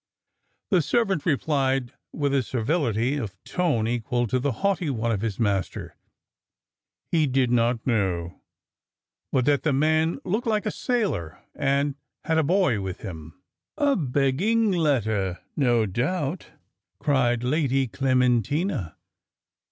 The servant replied with a servility of tone equal to the haughty one of his master, "he did not know; but that the man looked like a sailor, and had a boy with him." "A begging letter, no doubt," cried Lady Clementina.